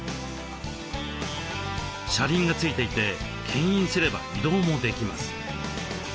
車輪が付いていてけん引すれば移動もできます。